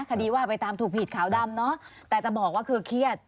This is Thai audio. คดีว่าไปตามถูกผิดขาวดำเนาะแต่จะบอกว่าคือเครียด